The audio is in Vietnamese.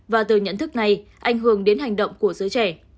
và từ nhận thức này ảnh hưởng đến hành động của giới trẻ